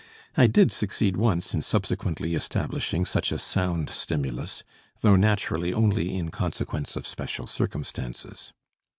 I did succeed once in subsequently establishing such a sound stimulus, though naturally only in consequence of special circumstances.